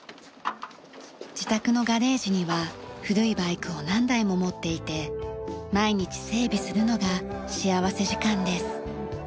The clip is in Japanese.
自宅のガレージには古いバイクを何台も持っていて毎日整備するのが幸福時間です。